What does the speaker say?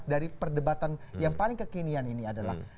dari perdebatan yang paling kekinian ini adalah